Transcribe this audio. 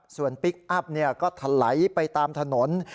ส่วนพลิกอัพก็ถลายไปตามถนน